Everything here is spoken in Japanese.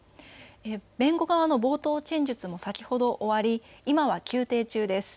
弁護側の冒頭陳述も先ほど終わり今は休廷中です。